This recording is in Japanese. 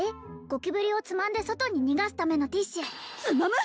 ゴキブリをつまんで外に逃がすためのティッシュつまむ！？